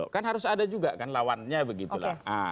kan harus ada juga kan lawannya begitu lah